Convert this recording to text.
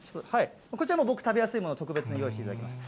こちらも僕、食べやすいものを特別に用意していただきました。